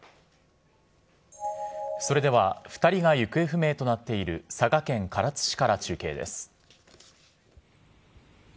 それでは、２人が行方不明となっている佐賀県唐津市から中継です。